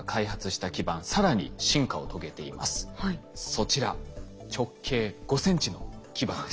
そちら直径５ｃｍの基板です。